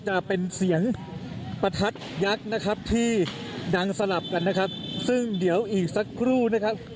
จะเป็นเสียงประทัดยักษ์นะครับที่ดังสลับกันนะครับซึ่งเดี๋ยวอีกสักครู่นะครับ